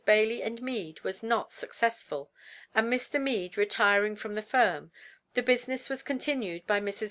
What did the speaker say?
Bailey & Mead was not successful, and Mr. Mead retiring from the firm, the business was continued by Messrs.